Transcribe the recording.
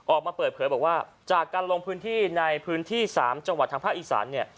ออกมาเปิดเผยบอกว่าจากการลงพื้นที่ในพื้นที่๓จังหวัดทางภาคอีสานเนี่ย